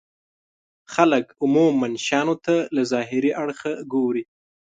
خلک عموما شيانو ته له ظاهري اړخه ګوري.